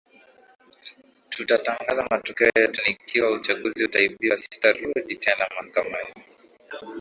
tutatangaza matokeo yetu na ikiwa uchaguzi utaibiwa sitarudi tena mahakamani